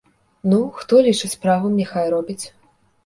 Ну, хто лічыць правым, няхай робіць.